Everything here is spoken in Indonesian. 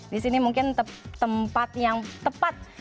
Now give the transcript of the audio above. di sini mungkin tempat yang tepat